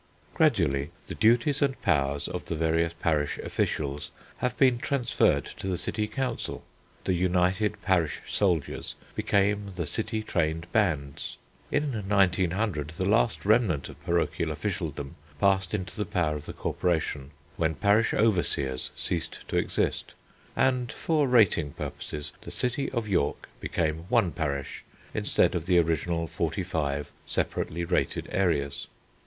"Gradually the duties and powers of the various parish officials have been transferred to the City Council. The united parish soldiers became the city trained bands. In 1900 the last remnant of parochial officialdom passed into the power of the Corporation when parish overseers ceased to exist, and, for rating purposes, the City of York became one parish instead of the original forty five separately rated areas."